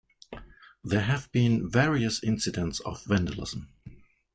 There have been various incidents of vandalism.